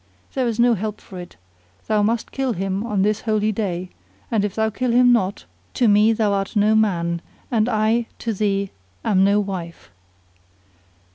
there is no help for it; thou must kill him on this holy day, and if thou kill him not to me thou art no man and I to thee am no wife."